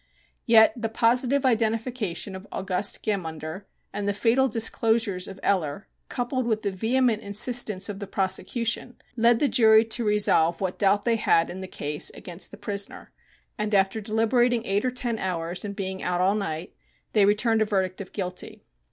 Yet the positive identification of August Gemunder and the fatal disclosures of Eller, coupled with the vehement insistence of the prosecution, led the jury to resolve what doubt they had in the case against the prisoner, and, after deliberating eight or ten hours and being out all night, they returned a verdict of guilty.